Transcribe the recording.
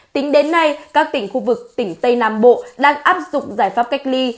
tính đến nay các tỉnh khu vực tỉnh tây nam bộ đang áp dụng giải pháp cách ly